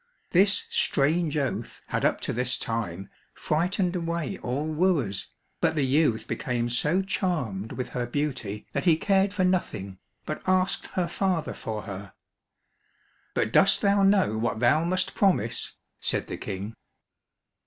This strange oath had up to this time frightened away all wooers, but the youth became so charmed with her beauty that he cared for nothing, but asked her father for her. "But dost thou know what thou must promise?" said the King.